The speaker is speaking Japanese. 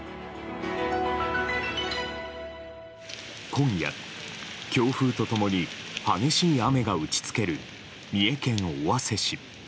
今夜、強風と共に激しい雨が打ち付ける三重県尾鷲市。